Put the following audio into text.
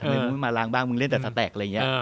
ทำไมไม่มาล้างบ้างมึงเล่นแต่สแตก